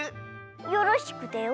よろしくてよ。